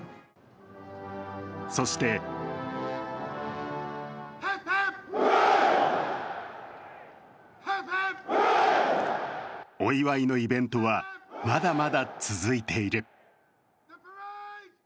そしてお祝いのイベントはまだまだ続いている。